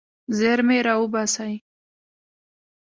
زیرمې راوباسئ.